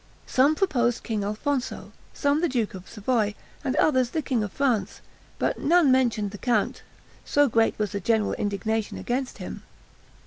Some proposed King Alfonso, some the duke of Savoy, and others the king of France, but none mentioned the count, so great was the general indignation against him.